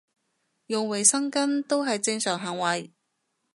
用衞生巾都係正常行為